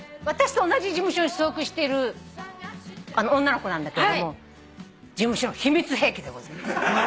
私と同じ事務所に所属している女の子なんだけども事務所の秘密兵器でございます。